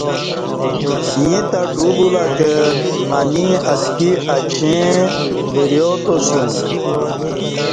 ییں تہ ڈو بُولہ کہ انی اتکی اچیں وریا تاسیوم